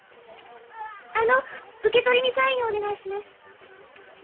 あの受け取りにサインをお願いします。